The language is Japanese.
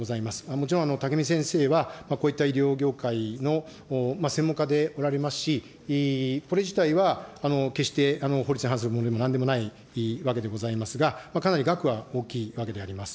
もちろん武見先生は、こういった医療業界の専門家でおられますし、これ自体は決して、法律に反するものでも法律に反するものでもなんでもわけでございますが、かなり額は大きいわけであります。